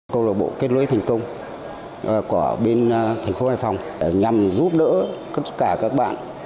câu lạc bộ kết nối thành công của bên thành phố hải phòng nhằm giúp đỡ tất cả các bạn